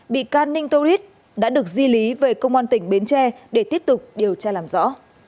bị can ninh torit đã được di lý về công an tỉnh bến tre để tiếp tục điều tra làm rõ